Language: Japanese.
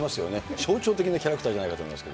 象徴的キャラクターじゃないかと思います。